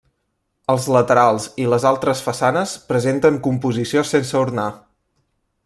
Els laterals i les altres façanes presenten composició sense ornar.